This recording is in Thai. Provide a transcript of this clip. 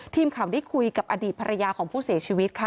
ทีมข่าวได้คุยกับอดีตภรรยาของผู้เสียชีวิตค่ะ